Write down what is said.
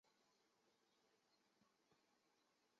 欧特伊人口变化图示